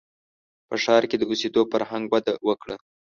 • په ښار کې د اوسېدو فرهنګ وده وکړه.